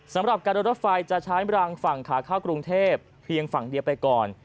สำหรับการเดินรถไฟจะใช้รังฝั่งขาเข้ากรุงเทพเพียงฝั่งเดียวไปก่อน